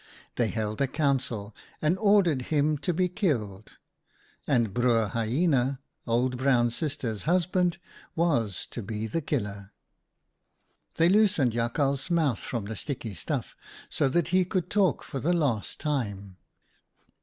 They held a Council and ordered him to be killed, and Broer Hyena — old Brown Sister's husband — was to be the killer. " They loosened Jakhal's mouth from the sticky stuff, so that he could talk for the last time.